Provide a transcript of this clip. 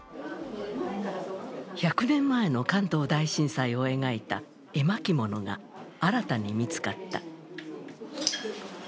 １００年前の関東大震災を描いた絵巻物が新たに見つかった。